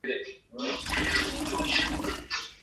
同时在旗尾山建有领事官邸。